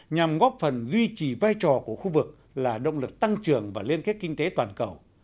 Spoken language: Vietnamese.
nhằm góp phần duy trì vai trò của khu vực là động lực tăng trưởng và liên kết kinh tế toàn cầu